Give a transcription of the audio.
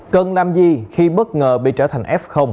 cần làm gì khi bất ngờ bị trở thành f